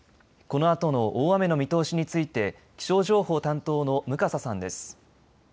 このあとの大雨の見通しについて気象情報担当の向笠さんです。